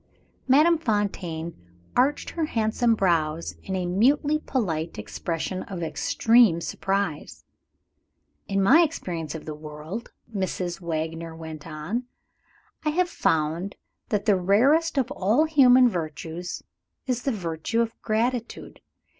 Madame Fontaine arched her handsome brows in a mutely polite expression of extreme surprise. "In my experience of the world," Mrs. Wagner went on, "I have found that the rarest of all human virtues is the virtue of gratitude.